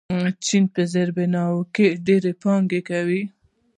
چین په زیربناوو کې ډېره پانګونه کوي.